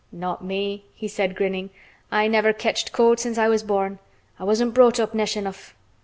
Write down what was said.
"Not me," he said, grinning. "I never ketched cold since I was born. I wasn't brought up nesh enough.